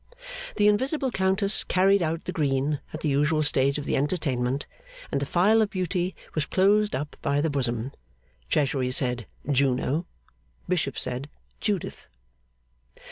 The invisible countess carried out the Green at the usual stage of the entertainment, and the file of beauty was closed up by the bosom. Treasury said, Juno. Bishop said, Judith.